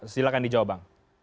silahkan dijawab bang